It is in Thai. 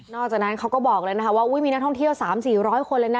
จากนั้นเขาก็บอกเลยนะคะว่ามีนักท่องเที่ยว๓๔๐๐คนเลยนะ